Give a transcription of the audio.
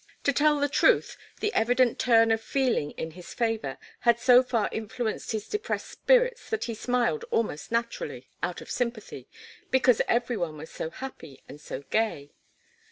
To tell the truth, the evident turn of feeling in his favour had so far influenced his depressed spirits that he smiled almost naturally, out of sympathy, because every one was so happy and so gay.